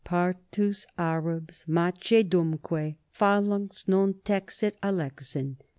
Parthus, Arabs, Macedumque phalanx non texit Alexin.